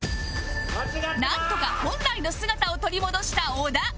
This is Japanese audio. なんとか本来の姿を取り戻した小田